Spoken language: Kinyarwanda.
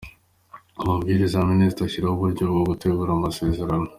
Amabwiriza ya Minisitiri ashyiraho uburyo bwo gutegura amasezerano